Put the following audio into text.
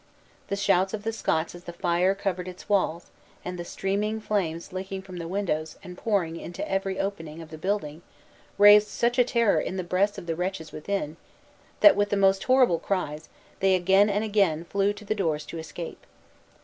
The shouts of the Scots as the fire covered its walls, and the streaming flames licking the windows, and pouring into every opening of the building, raised such a terror in the breasts of the wretches within, that, with the most horrible cries, they again and again flew to the doors to escape.